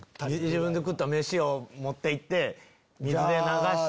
自分で食ったメシを持っていって水で流して。